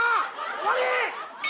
終わり！